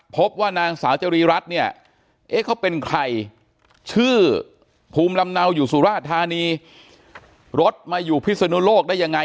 พบว่านางสาวจรีรัฐเนี่ยเอ๊ะเขาเป็นใครชื่อภูมิลำเนาอยู่สุราธานีรถมาอยู่พิศนุโลกได้ยังไง